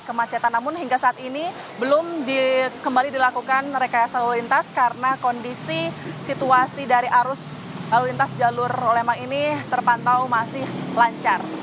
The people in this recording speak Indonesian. kemacetan namun hingga saat ini belum di kembali dilakukan rekayasa lelintas karena kondisi situasi dari arus lelintas jalur lembang ini terpantau masih lancar